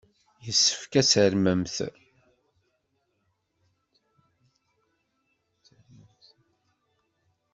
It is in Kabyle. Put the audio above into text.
Yessefk ad tarmemt.